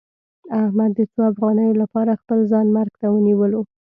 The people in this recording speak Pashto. احمد د څو افغانیو لپاره خپل ځان مرګ ته ونیولو.